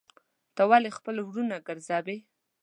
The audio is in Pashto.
ته ولي خپل وروڼه ګرځوې.